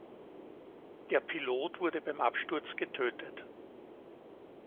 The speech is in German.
Der Pilot wurde beim Absturz getötet.